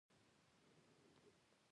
غریزه بیولوژیکي نه دی.